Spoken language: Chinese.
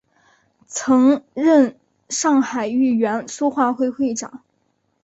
曾任上海豫园书画会会长。